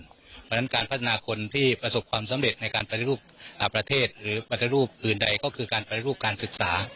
เพราะฉะนั้นการพัฒนาคนที่ประสบความสำเร็จในการปฏิรูปประเทศหรือปฏิรูปอื่นใดก็คือการปฏิรูปการศึกษา